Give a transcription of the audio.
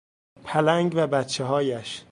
پلنگ و بچههایش